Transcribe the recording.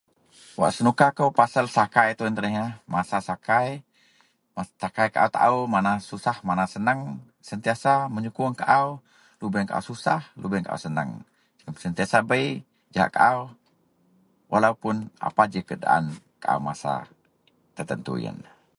Wak senuka kou pasel sakai ito iyen tuneh masa sakai, sakai kaau taau mana susah mana senang sentiasa menyukong kaau lobeng kaau susah lobeng kaau seneng sentiasa bei jahak kaau walau puon apa ji keadaan kaau masa tetu iyen.